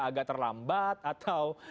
agak terlambat atau